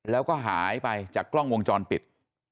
แล้วก็หายไปจากกล้องวงจรปิด